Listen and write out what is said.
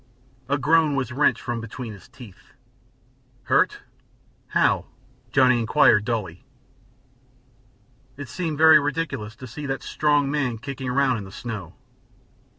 A groan was wrenched from between his teeth. "Hurt? How?" Johnny inquired, dully. It seemed very ridiculous to see that strong man kicking around in the snow.